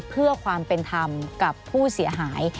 เพื่อความเป็นธรรมกับผู้เสียหาย